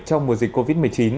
trong mùa dịch covid một mươi chín